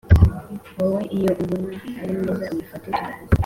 wowe iyo ubona ari myiza uyifate turaza